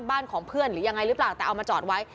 บ้านของเพื่อนหรือยังไงหรือเปล่าแต่เอามาจอดไว้